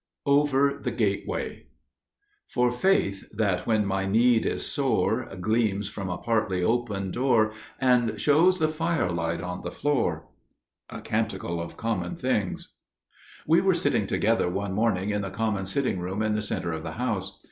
Over the Gateway "––For faith, that, when my need is sore, Gleams from a partly open door, And shows the firelight on the floor––" A Canticle of Common Things. Over the Gateway WE were sitting together one morning in the common sitting room in the centre of the house.